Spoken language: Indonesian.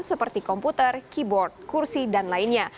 seperti komputer keyboard kursi dan lainnya